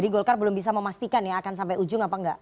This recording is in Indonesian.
jadi golkar belum bisa memastikan ya akan sampai ujung apa enggak